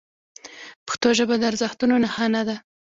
پښتو ژبه د ارزښتونو نښانه ده.